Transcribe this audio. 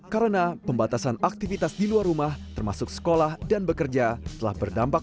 karena pembatasan aktivitas di luar rumah termasuk sekolah dan bekerja telah berdampak